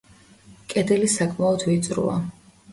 კედელი საკმაოდ ვიწროა.